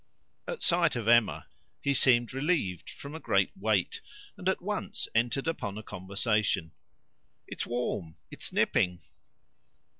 At sight of Emma he seemed relieved from a great weight, and at once entered upon a conversation. "It isn't warm; it's nipping."